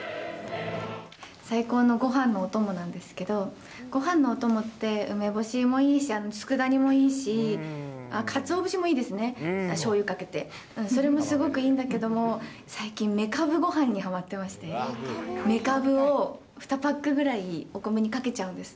最高のごはんのお供なんですけど、ごはんのお供って、梅干しもいいし、つくだ煮もいいし、かつお節もいいですね、しょうゆかけて、それもすごくいいんだけども、最近、めかぶごはんにはまっていまして、めかぶを２パックぐらいお米にかけちゃうんです。